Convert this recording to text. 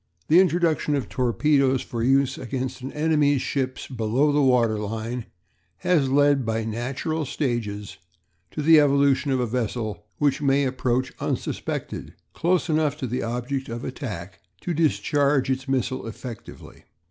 The introduction of torpedoes for use against an enemy's ships below the waterline has led by natural stages to the evolution of a vessel which may approach unsuspected close enough to the object of attack to discharge its missile effectively.